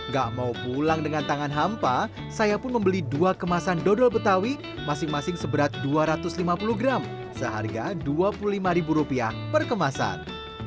gak mau pulang dengan tangan hampa saya pun membeli dua kemasan dodol betawi masing masing seberat dua ratus lima puluh gram seharga dua puluh lima per kemasan